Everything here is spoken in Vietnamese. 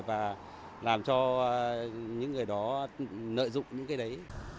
và làm cho những người đó nợ dụng những cái đấy